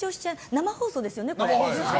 生放送ですよね、これ。